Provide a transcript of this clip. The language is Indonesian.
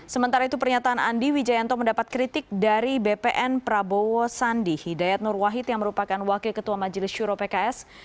sementara itu pernyataan andi wijayanto mendapat kritik dari bpn prabowo sandi hidayat nur wahid yang merupakan wakil ketua majelis syuro pks